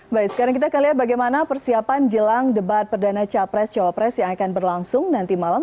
baik sekarang kita akan lihat bagaimana persiapan jelang debat perdana capres cawapres yang akan berlangsung nanti malam